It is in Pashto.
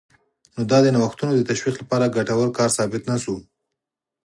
نو دا د نوښتونو د تشویق لپاره ګټور کار ثابت نه شو